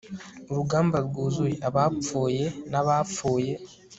urugamba rwuzuye abapfuye n'abapfuye